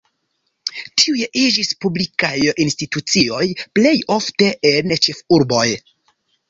Tiuj iĝis publikaj institucioj, plej ofte en ĉefurboj.